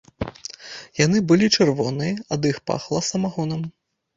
Яны былі чырвоныя, ад іх пахла самагонам.